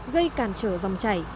gây cản trở dòng chảy